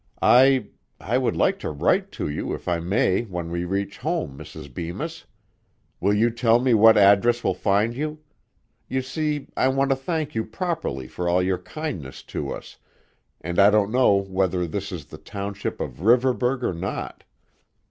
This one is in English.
I I would like to write to you if I may when we reach home, Mrs. Bemis. Will you tell me what address will find you? You see, I want to thank you properly for all your kindness to us, and I don't know whether this is the township of Riverburgh or not."